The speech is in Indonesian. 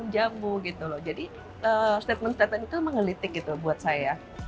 jadi statement statement itu emang ngelitik gitu buat saya